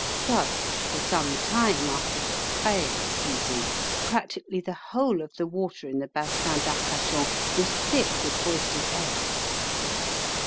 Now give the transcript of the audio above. Thus, for some time after the frai season, practically the whole of the water in the Basin d'Arcachon was thick with oysters' eggs.